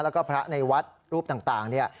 แล้วก็พระในวัดรูปต่างเนี่ย